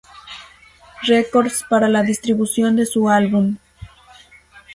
Records para la distribución de su álbum.